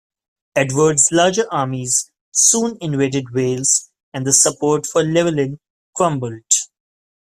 Edward's larger armies soon invaded Wales and the support for Llewellyn crumbled.